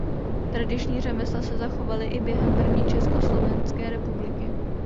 Tradiční řemesla se zachovali i během první československé republiky.